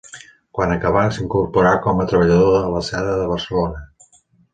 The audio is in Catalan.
Quan acabà s'incorporà com a treballador a La Seda de Barcelona.